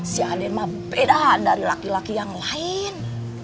si ade ma beda dari laki laki yang lain